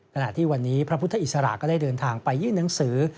ขณะที่วันนี้พระพุทธอิสระก็ได้เดินทางไปยื่นหนังสือ